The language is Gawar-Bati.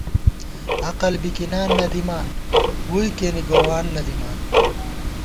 عقل بِکِنان نہ دِمان ووئے کېنے گووان نہ دِمان